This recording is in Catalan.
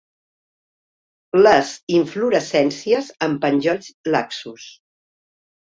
Les inflorescències en penjolls laxos.